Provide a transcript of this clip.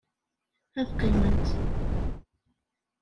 Ad qqiment.